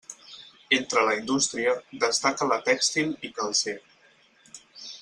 Entre la indústria, destaca la tèxtil i calcer.